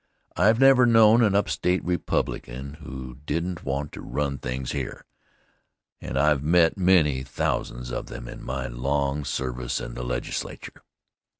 I've never known an upstate Republican who didn't want to run things here, and I've met many thousands of them in my long service in the Legislature.